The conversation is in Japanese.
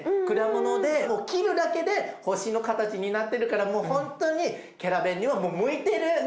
果物で切るだけで星の形になってるからもうほんとにキャラベンにはもう向いてる。